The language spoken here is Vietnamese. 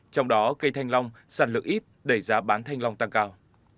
trong đó cây thanh long sản lượng ít đẩy giá bán thanh long tăng cao